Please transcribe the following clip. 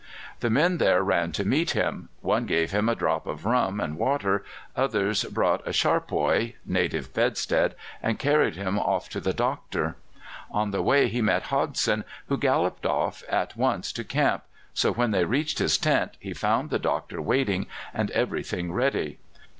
The men there ran to meet him: one gave him a drop of rum and water, others brought a charpoy (native bedstead) and carried him off to the doctor. On the way he met Hodson, who galloped off at once to camp, so when they reached his tent, he found the doctor waiting and everything ready.